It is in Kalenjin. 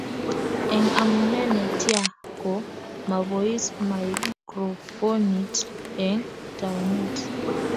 eng omunee netyaa, ko mabois maikrofonit eng tounet